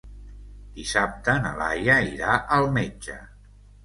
Dissabte na Laia irà al metge.